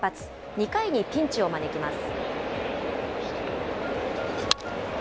２回にピンチを招きます。